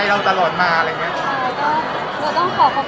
พี่ข้าก็รู้จักโกงมาก่อน